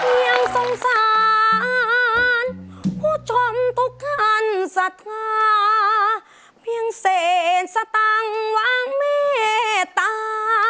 เพียงสงสารผู้ชมทุกคัณศาธิห่าเพียงเสร็จสตังค์วางเมตตา